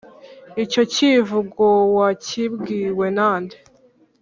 Icyo kivugo wakibwiwe na nde,